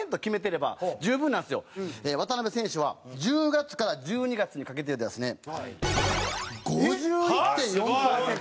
渡邊選手は１０月から１２月にかけてですね５１．４パーセント。